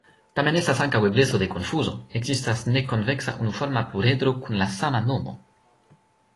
Tamen estas ankaŭ ebleco de konfuzo: ekzistas nekonveksa unuforma pluredro kun la sama nomo.